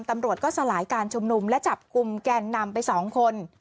ตำรวจก็สลายการชุมนุมและจับกลุ่มแกนนำไป๒คน